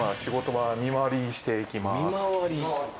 はい。